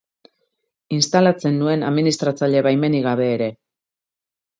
Instalatzen nuen administratzaile baimenik gabe ere.